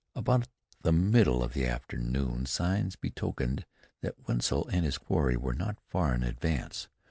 About the middle of the afternoon signs betokened that Wetzel and his quarry were not far in advance.